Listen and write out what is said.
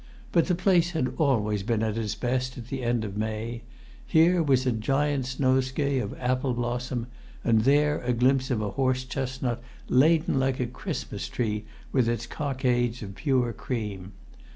But the place had always been at its best at the end of May: here was a giant's nosegay of apple blossom, and there a glimpse of a horse chestnut laden like a Christmas tree with its cockades of pure cream.